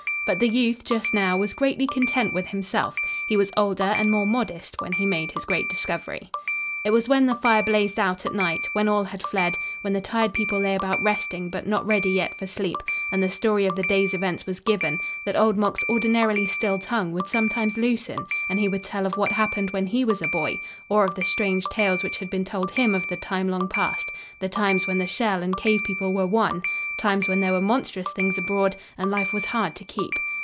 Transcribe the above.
But the youth, just now, was greatly content with himself. He was older and more modest when he made his great discovery. It was when the fire blazed out at night, when all had fed, when the tired people lay about resting, but not ready yet for sleep, and the story of the day's events was given, that Old Mok's ordinarily still tongue would sometimes loosen and he would tell of what happened when he was a boy, or of the strange tales which had been told him of the time long past, the times when the Shell and Cave people were one, times when there were monstrous things abroad and life was hard to keep.